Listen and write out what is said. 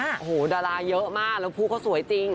โอ้โหดาราเยอะมากแล้วผู้เขาสวยจริง